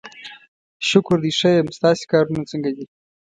شکر دی ښه یم، ستاسې کارونه څنګه دي؟